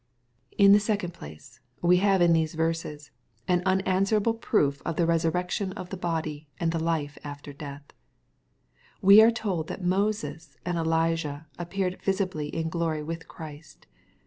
In the second place, we have in these verses, an unanr swerable proof of the resurrection of the hody^ and ths life after death. We are told that Moses and Elijah ap peared visibly in glory with Christ.